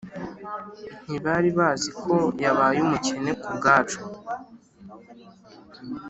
Ntibari bazi ko yabaye umukene ku bwacu